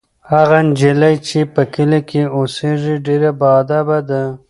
هغه نجلۍ چې په کلي کې اوسیږي ډېره باادبه ده.